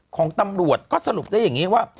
ของตำรวจก็สรุปได้อย่างนี้ว่า